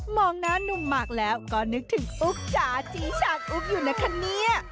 มองหน้านุ่มหมากแล้วก็นึกถึงอุ๊กจ๋าจีฉากอุ๊กอยู่นะคะเนี่ย